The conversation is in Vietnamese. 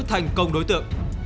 thành công đối tượng